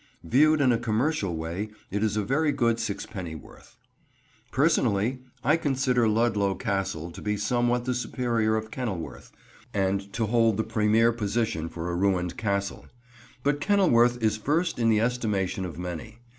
Viewed in a commercial way, it is a very good sixpennyworth. Personally, I consider Ludlow Castle to be somewhat the superior of Kenilworth, and to hold the premier position for a ruined castle; but Kenilworth is first in the estimation of many.